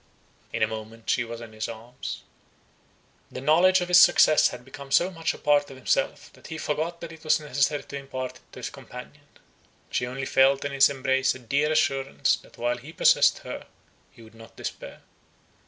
In a moment she was in his arms. The knowledge of his success had become so much a part of himself, that he forgot that it was necessary to impart it to his companion. She only felt in his embrace a dear assurance that while he possessed her, he would not despair.